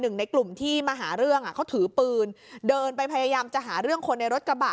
หนึ่งในกลุ่มที่มาหาเรื่องเขาถือปืนเดินไปพยายามจะหาเรื่องคนในรถกระบะ